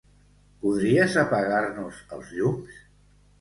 Podries apagar-nos els llums?